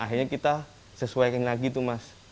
akhirnya kita sesuaikan lagi tuh mas